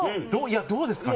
どうですかね？